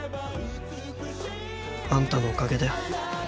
あんたのおかげだよ。